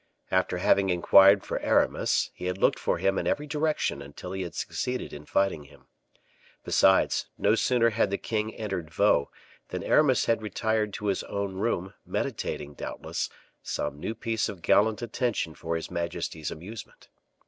After having inquired for Aramis, he had looked for him in every direction until he had succeeded in finding him. Besides, no sooner had the king entered Vaux, than Aramis had retired to his own room, meditating, doubtless, some new piece of gallant attention for his majesty's amusement.